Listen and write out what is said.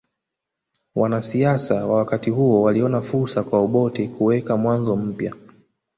Wanasiasa wa wakati huo waliona fursa kwa Obote kuweka mwanzo mpya